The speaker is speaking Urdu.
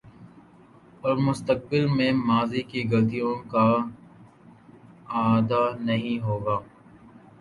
اورمستقبل میں ماضی کی غلطیوں کا اعادہ نہیں ہو گا۔